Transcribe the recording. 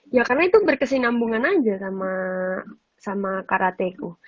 ya karena itu berkesinambungan aja sama karateku